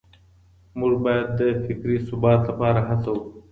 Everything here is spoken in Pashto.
موږ بايد د فکري ثبات لپاره هڅه وکړو.